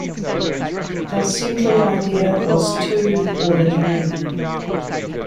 The central idea was too ordinary.